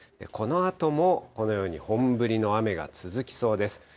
このあともこのように本降りの雨が続きそうです。